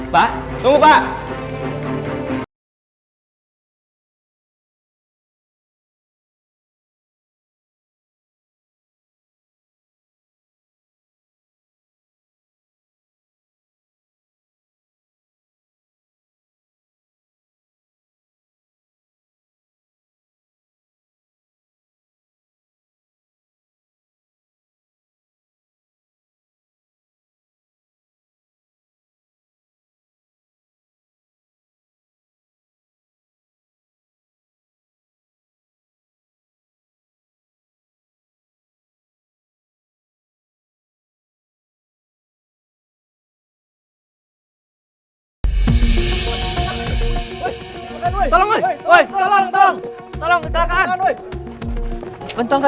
pak tunggu pak